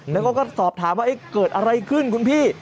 แล้วก็สอบถามว่าเกิดอะไรขึ้นคุณพี่